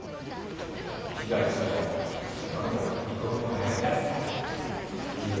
被災地の一刻も早い復帰を。